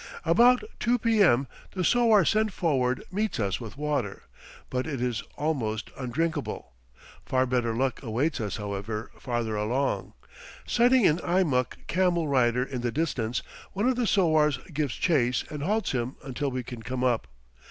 About 2 p.m. the sowar sent forward meets us with water; but it is almost undrinkable. Far better luck awaits us, however, farther along. Sighting an Eimuck camel rider in the distance, one of the sowars gives chase and halts him until we can come up.